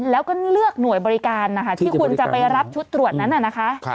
แล้วก็เลือกหน่วยบริการนะคะที่คุณจะไปรับชุดตรวจนั้นน่ะนะคะ